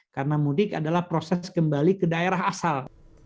karena mudik adalah proses kembali ke daerah asal